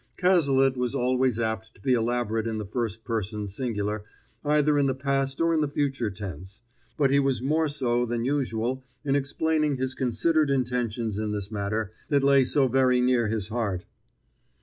Cazalet was always apt to be elaborate in the first person singular, either in the past or in the future tense; but he was more so than usual in explaining his considered intentions in this matter that lay so very near his heart.